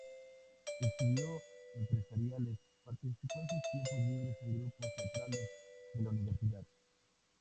Estudió Empresariales, participando en sus tiempos libres en grupos teatrales de la universidad.